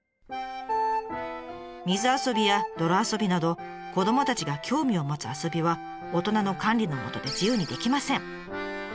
水遊びや泥遊びなど子どもたちが興味を持つ遊びは大人の管理のもとで自由にできません。